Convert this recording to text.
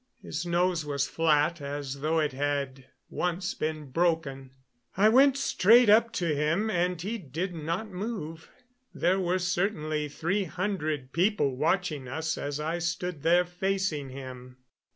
His nose was flat, as though it had once been broken. I went straight up to him, and he did not move. There were certainly three hundred people watching us as I stood there facing him.